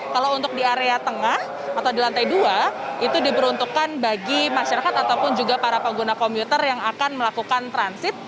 kalau untuk di area tengah atau di lantai dua itu diperuntukkan bagi masyarakat ataupun juga para pengguna komuter yang akan melakukan transit